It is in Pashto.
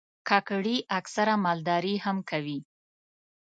کاکړي اکثره مالداري هم کوي.